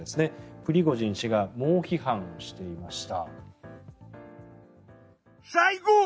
プリゴジン氏が猛批判していました。